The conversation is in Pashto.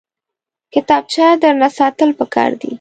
کتابچه درنه ساتل پکار دي